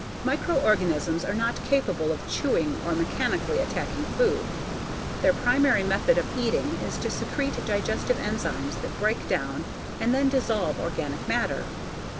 _Microorganisms are not capable of chewing or mechanically attacking food. Their primary method of eating is to secrete digestive enzymes that break down and then dissolve organic matter.